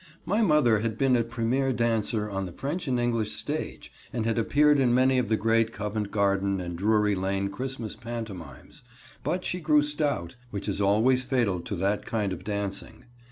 My mother had been a première dancer on the French and English stage and had appeared in many of the great Covent Garden and Drury Lane Christmas pantomimes, but she grew stout, which is always fatal to that kind of dancing.